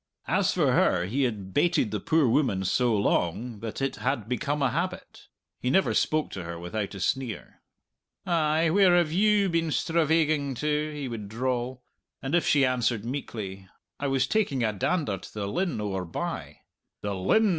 As for her, he had baited the poor woman so long that it had become a habit; he never spoke to her without a sneer. "Ay, where have you been stravaiging to?" he would drawl; and if she answered meekly, "I was taking a dander to the linn owre bye," "The Linn!"